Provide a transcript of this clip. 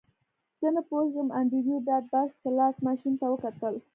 زه نه پوهیږم انډریو ډاټ باس سلاټ ماشین ته وکتل